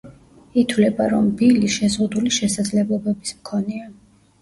ითვლება, რომ ბილი შეზღუდული შესაძლებლობების მქონეა.